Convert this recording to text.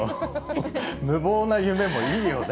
無謀な夢もいいよね、